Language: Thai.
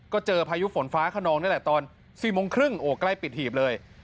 ก็เจอพายุฝนฟ้าขนองนี่แหละตอน๔โมงครึ่งโอ้ใกล้ปิดหีบเลย